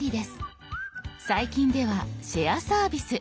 最近では「シェアサービス」。